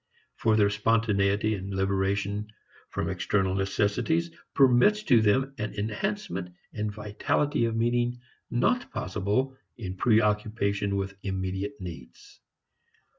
For their spontaneity and liberation from external necessities permits to them an enhancement and vitality of meaning not possible in preoccupation with immediate needs.